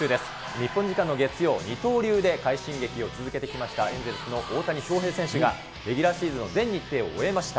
日本時間の月曜、二刀流で快進撃を続けてきましたエンゼルスの大谷翔平選手が、レギュラーシーズンの全日程を終えました。